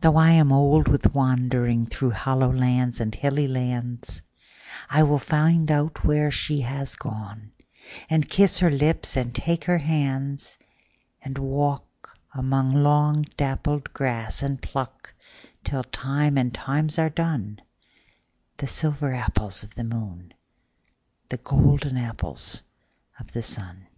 Though I am old with wanderingThrough hollow lands and hilly lands,I will find out where she has gone, And kiss her lips and take her hands; And walk among long dappled grass, And pluck till time and times are done, The silver apples of the moon, The golden apples of the sun.